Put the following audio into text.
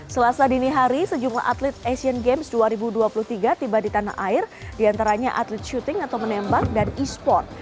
selasa dini hari sejumlah atlet asian games dua ribu dua puluh tiga tiba di tanah air diantaranya atlet syuting atau menembak dan e sport